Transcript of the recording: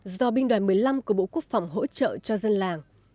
do binh đoàn một mươi năm của bộ quốc phòng hỗ trợ cho dân làng